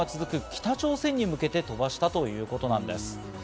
北朝鮮に向けて飛ばしたということなんです。